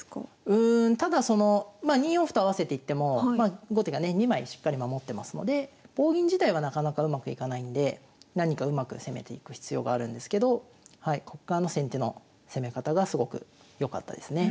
うんただそのまあ２四歩と合わせていっても後手がね２枚しっかり守ってますので棒銀自体はなかなかうまくいかないんで何かうまく攻めていく必要があるんですけどこっからの先手の攻め方がすごく良かったですね。